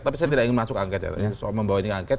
tapi saya tidak ingin masuk angkai